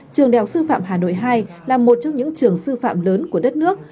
trường đại học sư phạm hà nội hai là một trong những trường sư phạm lớn của đất nước